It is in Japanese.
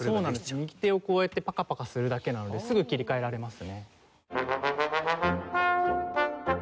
右手をこうやってパカパカするだけなのですぐ切り替えられますね。